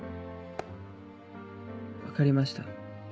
分かりました。